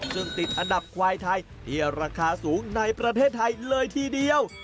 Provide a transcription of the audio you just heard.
ซึ่งติดอันดับควายไทยที่ราคาสูงในประเทศไทยเลยทีเดียว